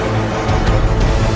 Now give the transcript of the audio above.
aku akan menangkan gusti ratu